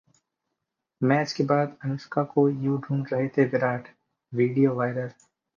match के बाद अनुष्का को यूं ढूंढ रहे थे विराट, वीडियो वायरल